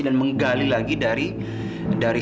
dan menggali lagi dari